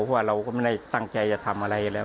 เพราะว่าเราก็ไม่ได้ตั้งใจจะทำอะไรแล้ว